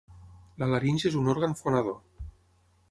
La laringe és un òrgan fonador.